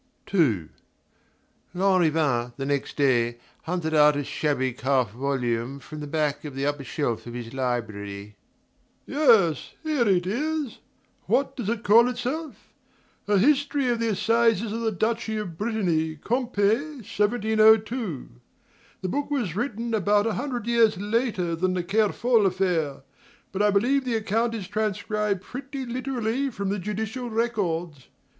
II Lanrivain, the next day, hunted out a shabby calf volume from the back of an upper shelf of his library. "Yes here it is. What does it call itself? A History of the Assizes of the Duchy of Brittany. Quimper, 1702. The book was written about a hundred years later than the Kerfol affair; but I believe the account is transcribed pretty literally from the judicial records.